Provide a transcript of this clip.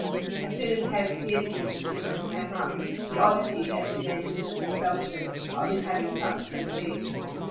As soon as Kate appeared again the difference came up the oddity, as he then instantly felt it, of his having sunk so deep.